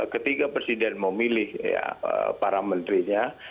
ketika presiden memilih para menterinya